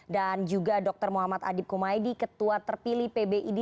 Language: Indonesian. dan juga dr muhammad adib kumaydi ketua terpilih pbid